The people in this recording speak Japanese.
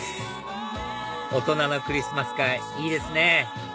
大人のクリスマス会いいですね